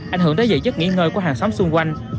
ảnh hưởng tới dạy chất nghỉ ngơi của hàng xóm xung quanh